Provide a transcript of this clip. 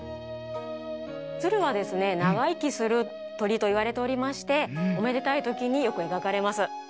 つるはですねながいきするとりといわれておりましておめでたいときによくえがかれます。